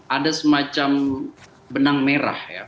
ada semacam benang merah ya